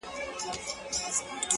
دوى ما اوتا نه غواړي _